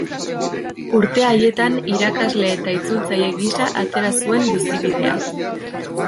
Urte haietan irakasle eta itzultzaile gisa atera zuen bizibidea.